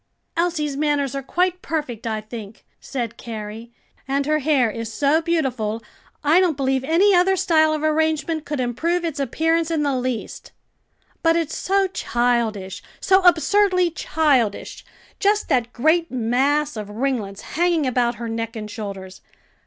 "Elsie's manners are quite perfect, I think," said Carrie; "and her hair is so beautiful, I don't believe any other style of arrangement could improve its appearance in the least." "But it's so childish, so absurdly childish! just that great mass of ringlets hanging about her neck and shoulders.